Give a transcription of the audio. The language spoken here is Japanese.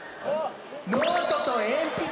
「ノートと鉛筆！